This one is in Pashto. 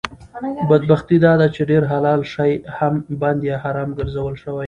بدبختي داده چې ډېر حلال شی هم بند یا حرام ګرځول شوي